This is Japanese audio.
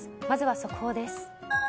まずは速報です。